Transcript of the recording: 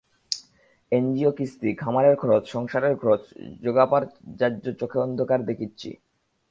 NGO কিস্তি, খামারের খরচ, সংসারের খরচ যোগাপার যায্যা চোখে অন্ধকার দেকিচ্চি।